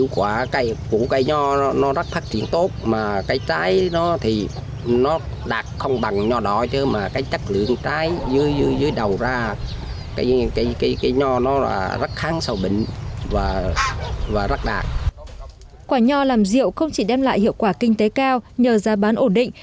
quả nho làm rượu không chỉ đem lại hiệu quả kinh tế cao nhờ giá bán ổn định